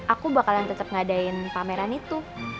aku bakalan tetap ngadain pameran itu